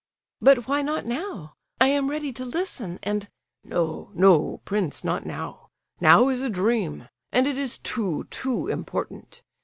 "But why not now? I am ready to listen, and—" "No, no—prince, not now! Now is a dream! And it is too, too important!